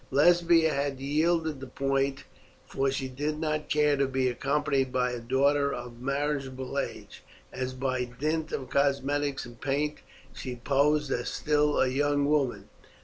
Lesbia had yielded the point, for she did not care to be accompanied by a daughter of marriageable age, as by dint of cosmetics and paint she posed as still a young woman.